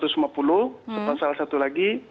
serta salah satu lagi